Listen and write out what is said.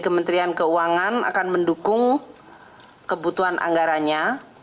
kementerian keuangan akan mendukung kebutuhan anggarannya